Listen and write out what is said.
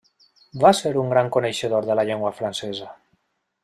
Va ser un gran coneixedor de la llengua francesa.